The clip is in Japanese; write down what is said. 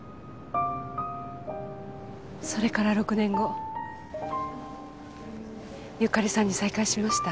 それから６年後由香利さんに再会しました。